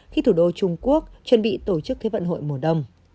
khi thủ đô trung quốc chuẩn bị tổ chức thế vận hội mùa đông